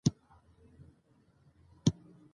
ازادي راډیو د سوله بدلونونه څارلي.